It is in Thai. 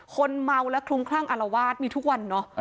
คนเมาและคลุมคลั่งอารวาสมีทุกวันเนอะ